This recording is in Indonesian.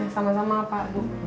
sama sama pak bu